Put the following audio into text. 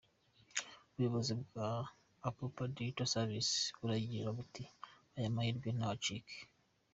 Ubuyobozi bwa Ahupa Digital Services, buragira buti “Aya mahirwe ntabacike.